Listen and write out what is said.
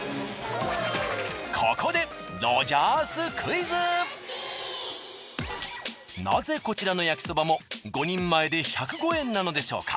ここでなぜこちらの焼きそばも５人前で１０５円なのでしょうか。